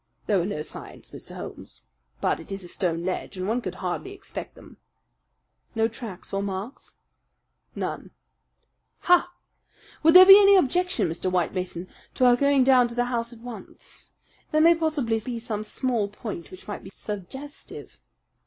"There were no signs, Mr. Holmes. But it is a stone ledge, and one could hardly expect them." "No tracks or marks?" "None." "Ha! Would there be any objection, Mr. White Mason, to our going down to the house at once? There may possibly be some small point which might be suggestive."